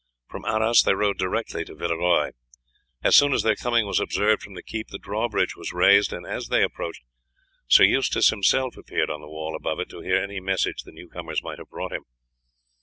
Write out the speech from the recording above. From Arras they rode direct to Villeroy. As soon as their coming was observed from the keep the draw bridge was raised, and as they approached Sir Eustace himself appeared on the wall above it to hear any message the new comers might have brought him.